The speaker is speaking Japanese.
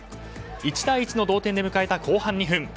１対１の同点で迎えた後半２分。